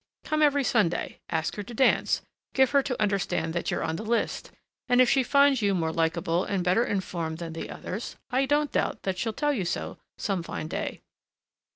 Come every Sunday, ask her to dance, give her to understand that you're on the list, and if she finds you more likeable and better informed than the others, I don't doubt that she'll tell you so some fine day."